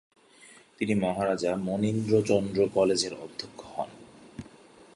তিনি মহারাজা মনীন্দ্রচন্দ্র কলেজের অধ্যক্ষ হন।